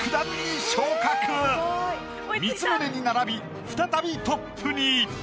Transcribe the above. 光宗に並び再びトップに。